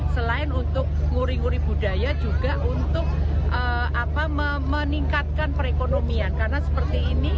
selain untuk nguri nguri budaya juga untuk meningkatkan perekonomian karena seperti ini